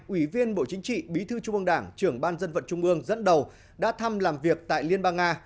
ủy viên bộ chính trị bí thư trung ương đảng trưởng ban dân vận trung ương dẫn đầu đã thăm làm việc tại liên bang nga